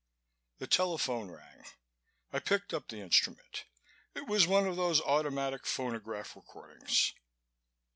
The telephone rang. I picked up the instrument. It was one of those automatic phonograph recordings.